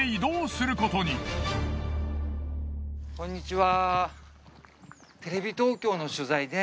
こんにちは。